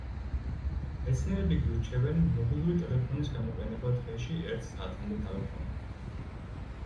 მეცნიერები გვირჩევენ, მობილური ტელეფონის გამოყენება დღეში ერთ საათამდე დავიყვანოთ.